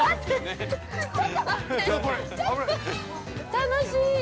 楽しい！